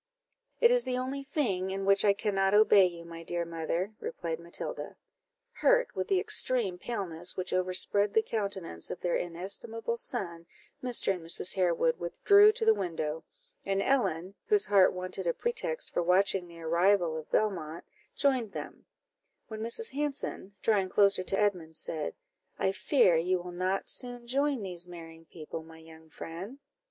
"It is the only thing in which I cannot obey you, my dear mother," replied Matilda. Hurt with the extreme paleness which overspread the countenance of their inestimable son, Mr. and Mrs. Harewood withdrew to the window; and Ellen, whose heart wanted a pretext for watching the arrival of Belmont, joined them; when Mrs. Hanson, drawing closer to Edmund, said "I fear you will not soon join these marrying people, my young friend?"